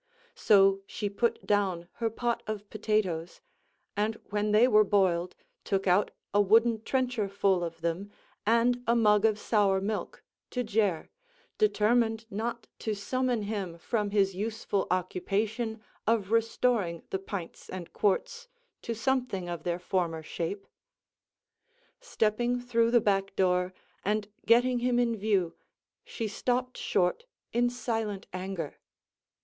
So she put down her pot of potatoes; and when they were boiled, took out a wooden trencher full of them, and a mug of sour milk, to Jer, determined not to summon him from his useful occupation of restoring the pints and quarts to something of their former shape. Stepping through the back door, and getting him in view, she stopped short in silent anger.